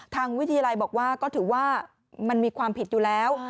ทางวิทยาลัยบอกว่าก็ถือว่ามันมีความผิดอยู่แล้ว